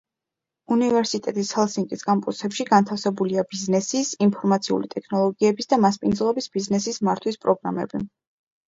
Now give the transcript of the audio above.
უნივერსიტეტის ჰელსინკის კამპუსებში განთავსებულია ბიზნესის, ინფორმაციული ტექნოლოგიების და მასპინძლობის ბიზნესის მართვის პროგრამები.